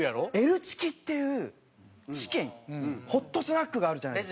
Ｌチキっていうチキンホットスナックがあるじゃないですか。